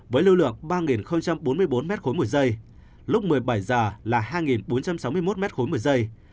với lưu lượng ba bốn mươi bốn m ba một giây lúc một mươi bảy h là hai bốn trăm sáu mươi một m ba một giây